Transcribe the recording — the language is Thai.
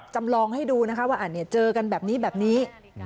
จำลองให้ดูนะคะว่าเจอกันแบบนี้แบบนี้